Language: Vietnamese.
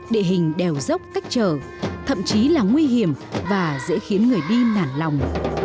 địa hình đèo dốc cách trở thậm chí là nguy hiểm và dễ khiến người đi nản lòng